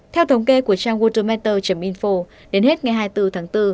theo thống kê của trang worldermeter info đến hết ngày hai mươi bốn tháng bốn